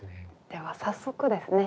では早速ですね